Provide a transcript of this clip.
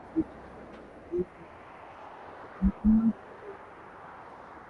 আমি আমার ব্যক্তিগত জীবনে হেরে যেতে পারি।